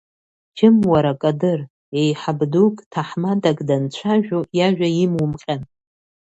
Џьым, уара, Кадыр, еиҳаб дук, ҭаҳмадак данцәажәо, иажәа имумҟьан.